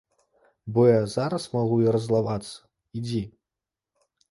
Бо я зараз магу і раззлавацца, ідзі!